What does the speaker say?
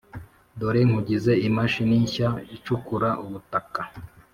Dore nkugize imashini nshya icukura ubutaka